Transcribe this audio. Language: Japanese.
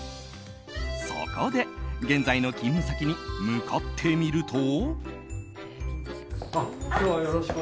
そこで、現在の勤務先に向かってみると。